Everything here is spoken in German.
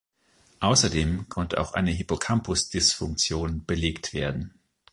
Außerdem konnte auch eine Hippocampus-Dysfunktion belegt werden.